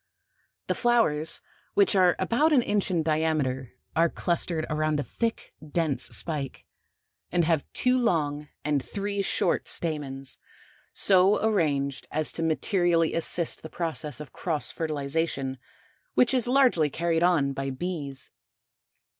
The flowers, which are about an inch in diameter, are clustered around a thick, dense spike, and have two long and three short stamens, so arranged as to materially assist the process of cross fertilization which is largely carried on by bees.